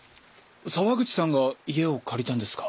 沢口さんが家を借りたんですか？